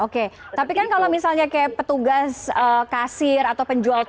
kemarin boleh memborong